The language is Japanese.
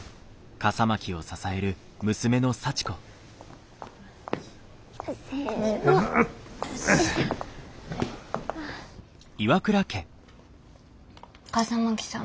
笠巻さん